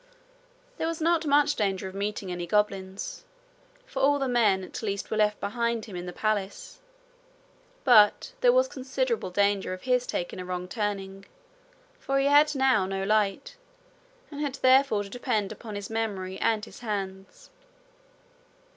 There was not much danger of meeting any goblins, for all the men at least were left behind him in the palace; but there was considerable danger of his taking a wrong turning, for he had now no light, and had therefore to depend upon his memory and his hands.